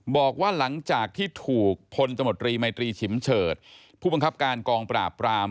บอกว่าหลังจากที่ถูกพลตมตรีไมตรีฉิมเฉิดผู้บังคับการกองปราบปราม